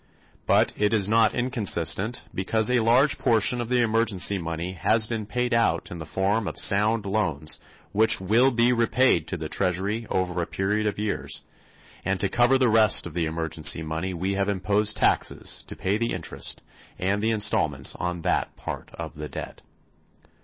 But it is not inconsistent because a large portion of the emergency money has been paid out in the form of sound loans which will be repaid to the treasury over a period of years; and to cover the rest of the emergency money we have imposed taxes to pay the interest and the installments on that part of the debt.